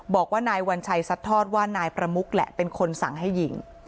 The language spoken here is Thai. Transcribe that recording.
บอกว่านายวัญชัยซัดทอดว่านายประมุกแหละเป็นคนสั่งให้ยิง